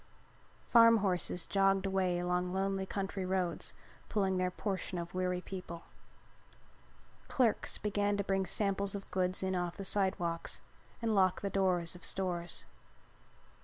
Farm horses jogged away along lonely country roads pulling their portion of weary people. Clerks began to bring samples of goods in off the sidewalks and lock the doors of stores.